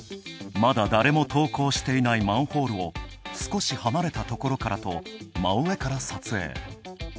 まだ誰も投稿していないマンホールを少し離れたところからと、真上から撮影。